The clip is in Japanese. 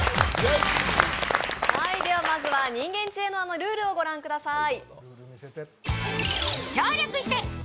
まずは、人間知恵の輪のルールをご覧ください。